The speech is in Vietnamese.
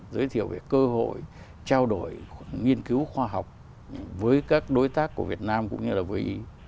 giới thiệu về cơ hội trao đổi nghiên cứu khoa học với các đối tác của việt nam cũng như là với ý